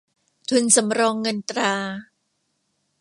ทุนสำรองเงินตรา